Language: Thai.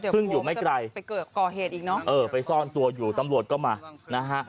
อยู่ไม่ไกลไปก่อเหตุอีกเนอะเออไปซ่อนตัวอยู่ตำรวจก็มานะฮะ